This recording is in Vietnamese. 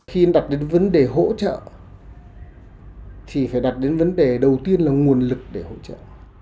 hỗ trợ thì phải đặt đến vấn đề đầu tiên là nguồn lực để hỗ trợ